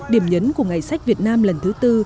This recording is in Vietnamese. điểm nhấn của ngày sách việt nam lần thứ tư